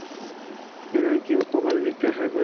বিনয় কী উপকার জিজ্ঞাসা করিল।